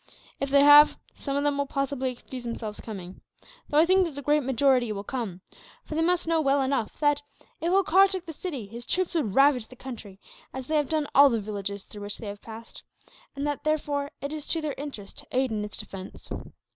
If they have, some of them will possibly excuse themselves coming; though I think that the great majority will come, for they must know well enough that, if Holkar took the city, his troops would ravage the country, as they have done all the villages through which they have passed; and that, therefore, it is to their interest to aid in its defence.